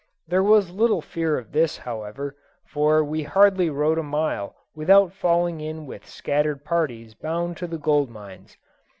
There was little fear of this, however, for we hardly rode a mile without falling in with scattered parties bound to the gold mines.